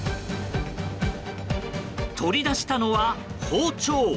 取り出したのは、包丁。